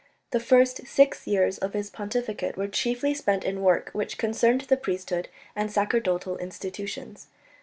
The first six years of his pontificate were chiefly spent in work which concerned the priesthood and sacerdotal institutions.